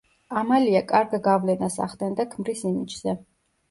ამალია კარგ გავლენას ახდენდა ქმრის იმიჯზე.